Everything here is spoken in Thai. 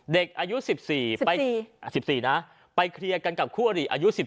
เด็กอายุ๑๔ไปเคลียร์กันกับคู่อดีตอายุ๑๗